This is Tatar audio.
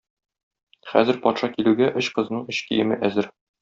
Хәзер патша килүгә өч кызның өч киеме әзер.